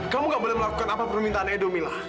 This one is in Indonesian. kamu nggak boleh melakukan apa permintaan edo mila